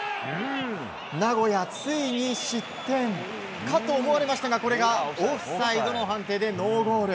名古屋ついに失点かと思われましたがこれがオフサイドの判定でノーゴール。